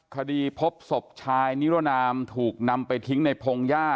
คดีพบศพชายนิรนามถูกนำไปทิ้งในพงหญ้า